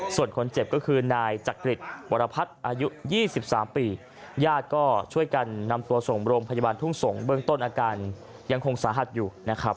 ส่วนคนเจ็บก็คือนายจักริตวรพัฒน์อายุ๒๓ปีญาติก็ช่วยกันนำตัวส่งโรงพยาบาลทุ่งสงศเบื้องต้นอาการยังคงสาหัสอยู่นะครับ